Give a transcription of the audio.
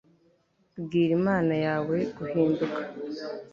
bwira imana yawe guhinduka